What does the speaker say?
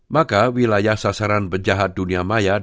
maka wilayah sasaran penjahat dunia maya dan perbankan online